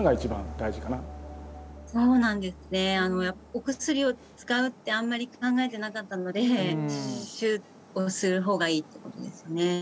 お薬を使うってあんまり考えてなかったので「シュッ」とする方がいいってことですよね。